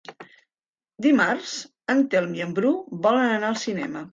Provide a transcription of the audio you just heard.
Dimarts en Telm i en Bru volen anar al cinema.